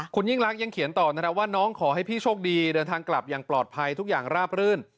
คุณยิ่งรักยังเขียนต่อนะครับว่าน้องขอให้พี่โชคดีเดินทางกลับอย่างปลอดภัยทุกอย่างราบรื่น